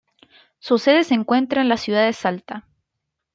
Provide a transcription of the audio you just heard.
Su cede se encuentra en la Ciudad de Salta.